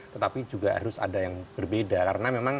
tetapi juga harus ada yang berbeda karena memang